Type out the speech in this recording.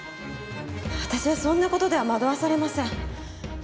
私はそんな事では惑わされません。